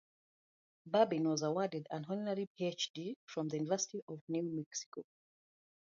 Babin was awarded an honorary Ph.D. from the University of New Mexico.